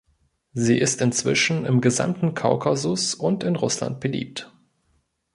Sie ist inzwischen im gesamten Kaukasus und in Russland beliebt.